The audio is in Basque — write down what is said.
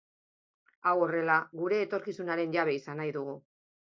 Hau horrela, gure etorkizunaren jabe izan nahi dugu.